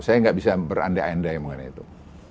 saya nggak bisa beranda anda yang mengenai itu